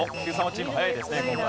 チーム早いですね今回。